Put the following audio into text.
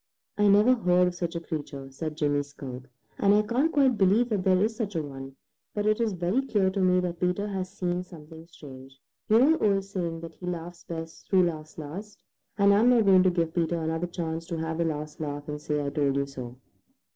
"I never heard of such a creature," said Jimmy Skunk, "and I can't quite believe that there is such a one, but it is very clear to me that Peter has seen something strange. You know the old saying that he laughs best who laughs last, and I'm not going to give Peter another chance to have the last laugh and say, 'I told you so.'"